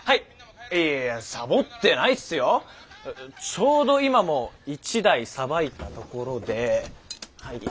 ちょうど今も１台さばいたところではい。